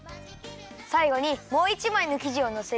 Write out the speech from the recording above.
さいごにもう１まいのきじをのせるよ。